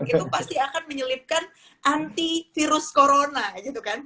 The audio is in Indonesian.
itu pasti akan menyelipkan antivirus corona gitu kan